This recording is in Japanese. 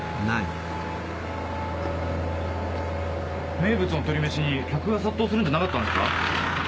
名物の鳥めしに客が殺到するんじゃなかったんですか？